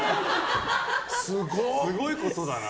すごいことだな。